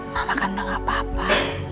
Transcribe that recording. mama kan udah gapapa